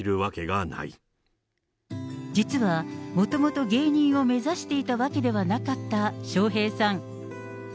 実は、もともと芸人を目指していたわけではなかった笑瓶さん。